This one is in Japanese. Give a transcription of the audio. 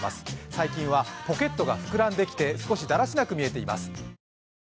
最近はポケットがふくらんできて少しだらしなく見えます。